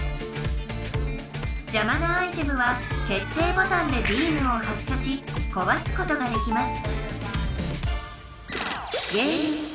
じゃまなアイテムは決定ボタンでビームを発射しこわすことができます